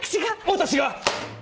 私が！